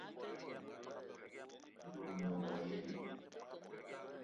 De o ne wa yene?